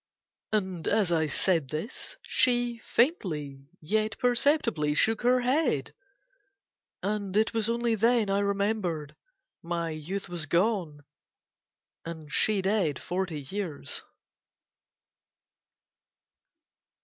'" "And as I said this she faintly yet perceptibly shook her head. And it was only then I remembered my youth was gone, and she dead forty years."